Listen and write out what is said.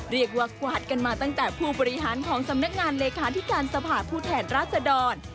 เรียกว่ากวาดกันมาตั้งแต่ผู้บริหารของสำนักงานเลขาธิการสภาพผู้แทนราชดร